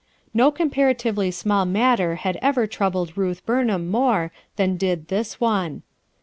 No comparatively small matter had ever troubled Ruth Burnham more than did this one.